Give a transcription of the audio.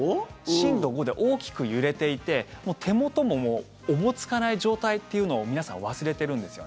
震度５で大きく揺れていて手元ももうおぼつかない状態というのを皆さん、忘れてるんですよ。